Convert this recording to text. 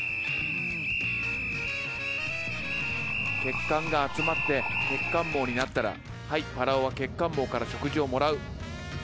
血管が集まって血管網になったらはいぱらおは血管網から食事をもらう。